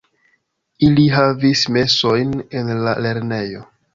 Ili havis mesojn en la lernejo.